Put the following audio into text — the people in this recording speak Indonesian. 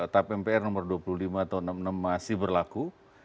tap mpr nomor dua puluh lima tahun seribu sembilan ratus enam puluh enam masih berlaku